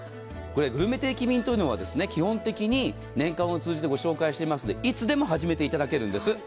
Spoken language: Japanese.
グルメ定期便というのは基本的に年間を通じてご紹介していますので、いつでも始めていただけるんです。